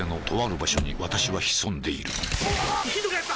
うわひどくなった！